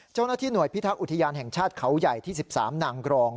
เจ้าหน้าที่หน่วยพิทักษ์อุทยานแห่งชาติเขาใหญ่ที่๑๓นางกรอง